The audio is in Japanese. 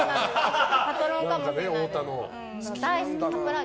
パトロンかもしれない。